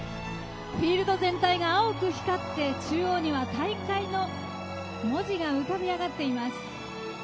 フィールド全体が青く光って中央には大会の文字が浮かび上がっています。